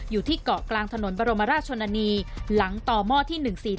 อยู่ที่เกาะกลางถนนบรมราชชนนานีหลังต่อหม้อที่๑๔๗